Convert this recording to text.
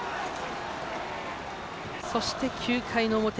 そして、９回の表。